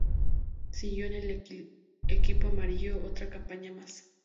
Siguió en el equipo amarillo otra campaña más.